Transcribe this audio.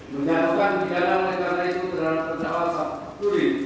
menjatuhkan pindana negara itu terhadap perjalanan sekaligus